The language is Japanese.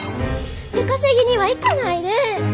出稼ぎには行かないで！